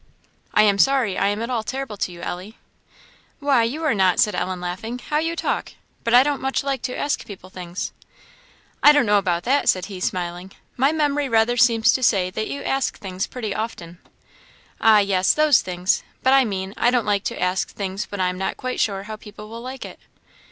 "I am sorry I am at all terrible to you, Ellie." "Why, you are not!" said Ellen, laughing "how you talk! but I don't much like to ask people things." "I don't know about that," said he, smiling; "my memory rather seems to say that you ask things pretty often." "Ah, yes those things; but I mean, I don't; like to ask things when I am not quite sure how people will like it."